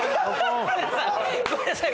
ごめんなさい！